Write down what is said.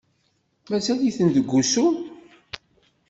Mazal-ten deg usu?